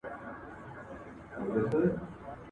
استازي په ولسي جرګه کي نوي بحثونه پيلوي.